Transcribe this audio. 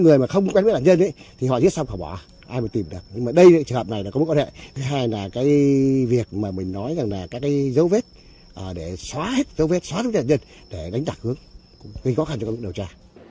gây khó khăn cho quá trình điều tra